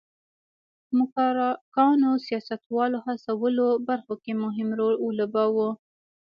موکراکانو سیاستوالو هڅولو برخه کې مهم رول ولوباوه.